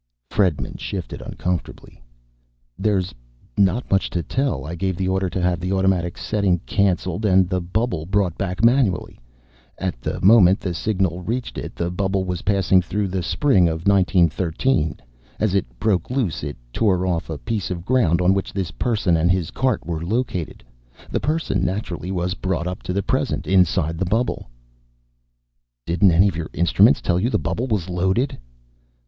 Fredman shifted uncomfortably. "There's not much to tell. I gave the order to have the automatic setting canceled and the bubble brought back manually. At the moment the signal reached it, the bubble was passing through the spring of 1913. As it broke loose, it tore off a piece of ground on which this person and his cart were located. The person naturally was brought up to the present, inside the bubble." "Didn't any of your instruments tell you the bubble was loaded?"